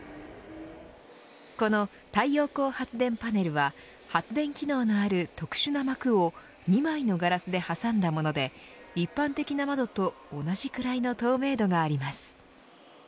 この太陽光発電パネルは発電機能のある特殊な膜を２枚のガラスで挟んだもので一般的な窓と同じくらいの透明度があります。